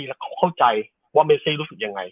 แล้วเขาเข้าใจว่าเมซี่รู้สึกยังไง